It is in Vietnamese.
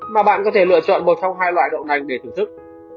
mà bạn có thể lựa chọn một trong hai loại đậu nành để thưởng thức